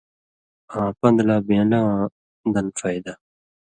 آں پن٘دہۡ لا بېن٘لہ واں دن فَیدہ۔